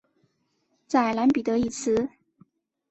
在蓝彼得一词。